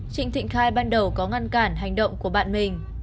trịnh thịnh khai ban đầu có ngăn cản hành động của bạn mình